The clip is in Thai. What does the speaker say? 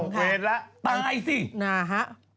เวลาตายสิ